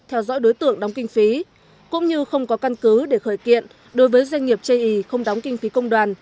theo dõi đối tượng đóng kinh phí cũng như không có căn cứ để khởi kiện đối với doanh nghiệp chê ý không đóng kinh phí công đoàn